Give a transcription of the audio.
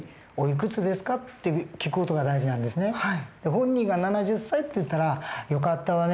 本人が「７０歳」って言ったら「よかったわね。